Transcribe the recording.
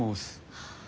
はあ。